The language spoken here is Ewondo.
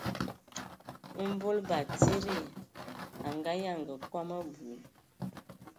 Mbol batsidi a nganyanga kom abui,